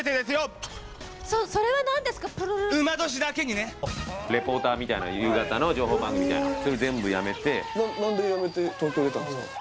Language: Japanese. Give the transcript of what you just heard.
プルルルってリポーターみたいな夕方の情報番組みたいなそれ全部やめてな何でやめて東京出たんですか？